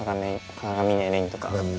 鏡音レンとか。